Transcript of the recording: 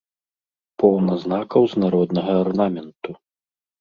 Поўна знакаў з народнага арнаменту.